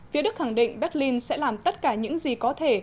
phía đức khẳng định berlin sẽ làm tất cả những gì có thể